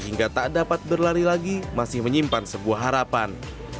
hingga tak dapat berlari lagi masih menyimpan sebuah harapan